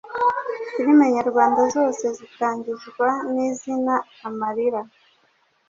film nyarwanda zose zitangizwa nizina amarira